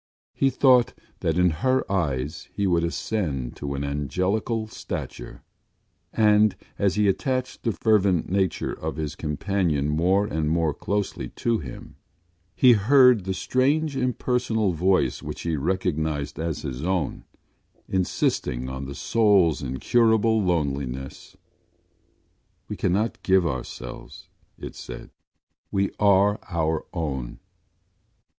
He thought that in her eyes he would ascend to an angelical stature; and, as he attached the fervent nature of his companion more and more closely to him, he heard the strange impersonal voice which he recognised as his own, insisting on the soul’s incurable loneliness. We cannot give ourselves, it said: we are our own.